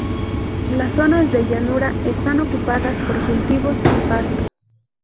Las zonas de llanura están ocupadas por cultivos y pasto.